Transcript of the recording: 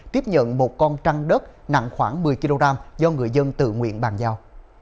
tiếp nhận một con trăng đất nặng khoảng một mươi kg do người dân tự nguyện bàn giao